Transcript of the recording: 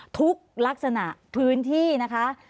ลักษณะพื้นที่นะคะ